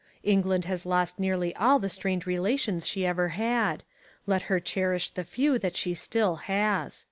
England has lost nearly all the strained relations she ever had; let her cherish the few that she still has.